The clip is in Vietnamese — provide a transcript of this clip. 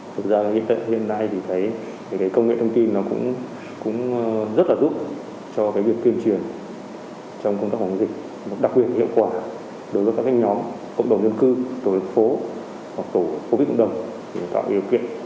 thực ra hiện nay thì thấy cái công nghệ thông tin nó cũng rất là giúp cho cái việc tuyên truyền trong công tác phòng chống dịch đặc biệt hiệu quả đối với các nhóm cộng đồng dân cư tổ dân phố tổ quốc tổng đồng để tạo điều kiện